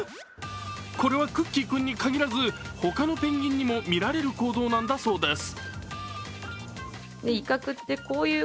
これはクッキー君にかぎらず他のペンギンにも見られる行動なんだそうです。